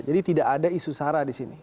jadi tidak ada isu sara di sini